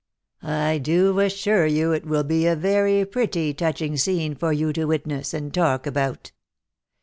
I do assure you it will be a very pretty touching scene for you to witness, and talk about.